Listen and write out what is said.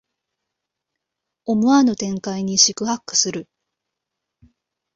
思わぬ展開に四苦八苦する